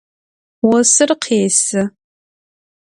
Vosır khêsı.